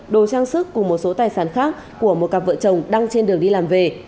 đồ trang sức cùng một số tài sản khác của một cặp vợ chồng đang trên đường đi làm về